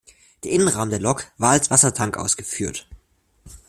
Der Innenrahmen der Lok war als Wassertank ausgeführt.